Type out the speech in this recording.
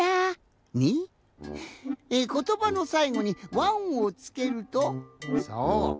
ことばのさいごに「ワン」をつけるとそう！